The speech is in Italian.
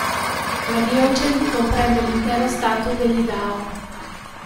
La diocesi comprende l'intero Stato dell'Idaho.